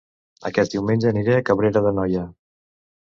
Aquest diumenge aniré a Cabrera d'Anoia